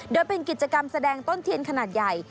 โดยเป็นกิจกรรมแสดงต้นเทียนขนาดใหญ่